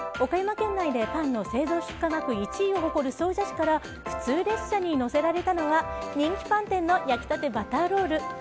岡山県内でパンの製造出荷額１位を誇る総社市から普通列車に載せられたのは人気パン店の焼きたてバターロール。